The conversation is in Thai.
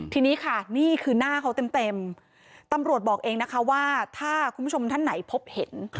ทีนี้ค่ะนี่คือหน้าเขาเต็มตำรวจบอกเองนะคะว่าถ้าคุณผู้ชมท่านไหนพบเห็น